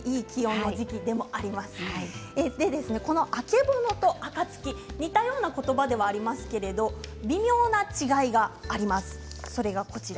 この曙と暁似たような言葉ではありますけれど微妙な違いがあります。